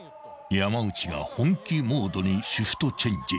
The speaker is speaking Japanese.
［山内が本気モードにシフトチェンジ］